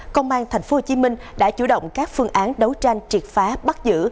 công an tp hcm đã chủ động các phương án đấu tranh triệt phá bắt giữ